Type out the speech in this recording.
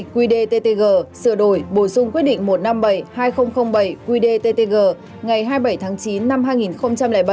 quy đề ttg sửa đổi bổ sung quyết định một trăm năm mươi bảy hai nghìn bảy qdttg ngày hai mươi bảy tháng chín năm hai nghìn bảy